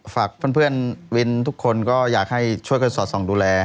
ฝากเพื่อนวินทุกคนก็อยากให้ช่วยกันสอดส่องดูแล